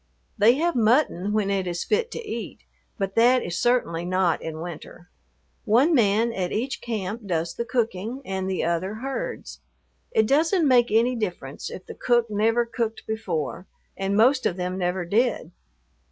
They have mutton when it is fit to eat, but that is certainly not in winter. One man at each camp does the cooking and the other herds. It doesn't make any difference if the cook never cooked before, and most of them never did.